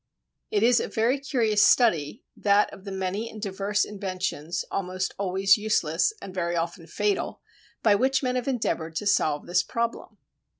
It is a very curious study, that of the many and diverse inventions, almost always useless and very often fatal, by which men have endeavoured to solve this problem.